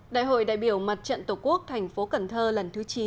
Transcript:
đại hội đại biểu mặt trận tổ quốc thành phố cần thơ lần thứ chín